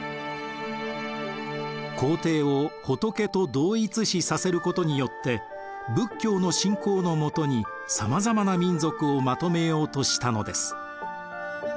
皇帝を仏と同一視させることによって仏教の信仰のもとにさまざまな民族をまとめようとしたのです。